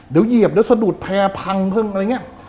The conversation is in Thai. เดี๋ยวเหยียบเดี๋ยวสะดุดแพร่พังพึ่งอะไรอย่างนี้